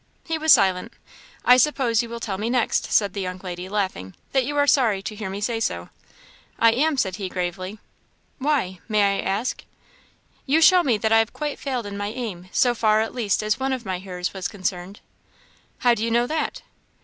He was silent. "I suppose you will tell me next," said the young lady, laughing, "that you are sorry to hear me say so." "I am," said he, gravely. "Why? may I ask?" "You show me that I have quite failed in my aim, so far at least as one of my hearers was concerned." "How do you know that?"